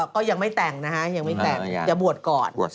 ก็ยังไม่แต่งนะฮะยังไม่แต่งจะบวชก่อน